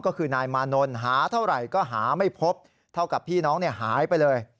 ก็คือนายมานนท์หาเท่าไหร่ก็หาไม่พบเท่ากับพี่น้องหายไปเลย